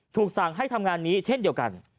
สั่งให้ทำงานนี้เช่นเดียวกัน